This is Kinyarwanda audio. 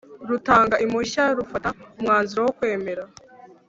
rutanga impushya rufata umwanzuro wo kwemera